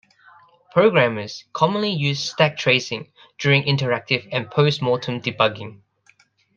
Programmers commonly use stack tracing during interactive and post-mortem debugging.